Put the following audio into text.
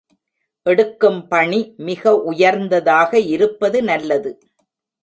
எடுக்கும் பணி மிக உயர்ந்ததாக இருப்பது நல்லது.